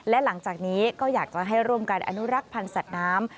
และหลังจากนี้ก็อยากจะให้ร่วมกันอนุรักษ์พันธ์สัตว์น้ำ